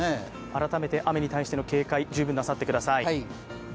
改めて雨に対しての警戒、十分なさってください。